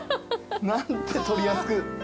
何て取りやすく。